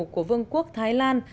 của vương quốc thái lan